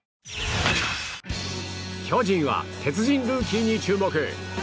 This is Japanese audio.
巨人は鉄人ルーキーに注目。